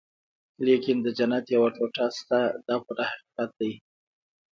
لیکن د جنت یوه ټوټه شته دا پوره حقیقت دی.